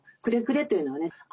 「くれくれ」というのはね